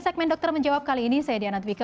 segmen dokter menjawab kali ini saya diana dwiqa